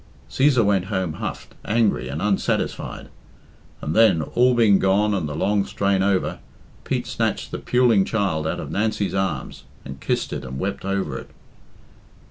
Cæsar went home huffed, angry, and unsatisfied. And then, all being gone and the long strain over, Pete snatched the puling child out of Nancy's arms, and kissed it and wept over it.